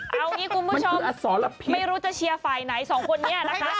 เอางี้คุณผู้ชมไม่รู้จะเชียร์ฝ่ายไหนสองคนนี้นะคะ